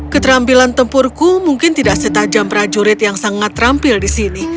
keterampilan tempurku mungkin tidak setajam prajurit yang sangat terampil di sini